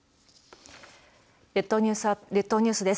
列島ニュースです。